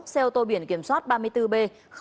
xe ô tô biển kiểm soát ba mươi bốn b hai trăm sáu mươi chín